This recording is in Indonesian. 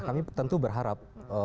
kami tentu berharap